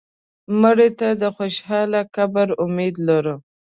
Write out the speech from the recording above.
مړه ته د خوشاله قبر امید لرو